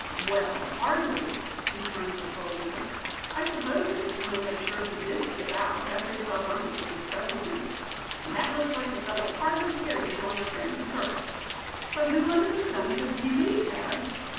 "Well, hardly," returned the patrol leader. "I suppose they just want to make sure he did skip out, after he saw Bumpus had discovered him. And that looks like the fellow hardly cared to join our family circle." "But who under the sun could he be, Thad?"